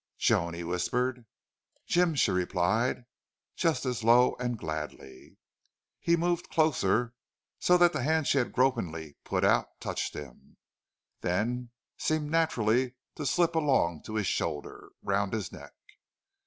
"Joan," he whispered. "Jim," she replied, just as low and gladly. He moved closer, so that the hand she had gropingly put out touched him, then seemed naturally to slip along his shoulder, round his neck.